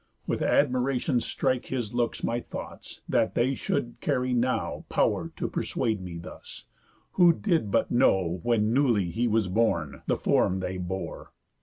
With admiration strike His looks my thoughts, that they should carry now Pow'r to persuade me thus, who did but know, When newly he was born, the form they bore.